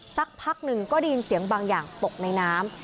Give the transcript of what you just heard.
สักพักหนึ่งก็ได้ยินเสียงบางอย่างตกในน้ำ